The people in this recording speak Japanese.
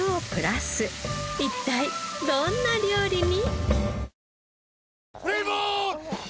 一体どんな料理に？